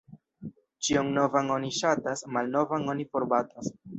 Ĉion novan oni ŝatas, malnovan oni forbatas.